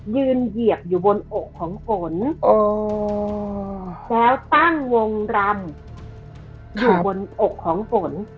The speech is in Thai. เหยียบอยู่บนอกของฝนแล้วตั้งวงรำอยู่บนอกของฝน